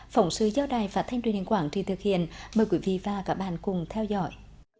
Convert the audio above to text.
phóng sư giao đài và thanh truyền hình quảng trị thực hiện mời quý vị và các bạn cùng theo dõi